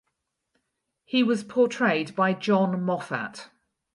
He was portrayed by John Moffat.